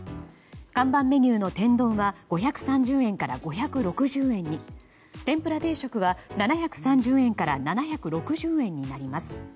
看板メニューの天丼は５３０円から５６０円に天ぷら定食は７３０円から７６０円になります。